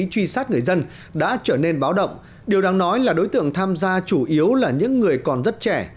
truy sát người dân đã trở nên báo động điều đáng nói là đối tượng tham gia chủ yếu là những người còn rất trẻ